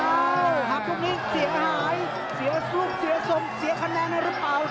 หักตรงนี้เสียหายเสียรูปเสียสมเสียคะแนนหรือเปล่า